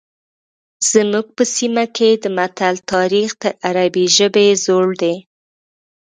زموږ په سیمه کې د متل تاریخ تر عربي ژبې زوړ دی